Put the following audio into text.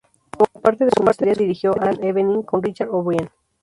Como parte de su maestría dirigió "An Evening" con Richard O'Brien.